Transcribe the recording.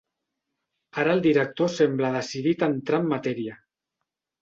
Ara el director sembla decidit a entrar en matèria.